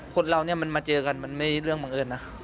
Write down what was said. คนเราเนี่ยมันมาเจอกันมันไม่เรื่องบังเอิญนะ